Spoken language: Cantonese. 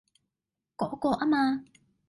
嗰個啊嘛？